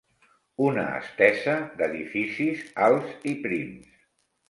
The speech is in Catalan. Una estesa d'edificis alts i prims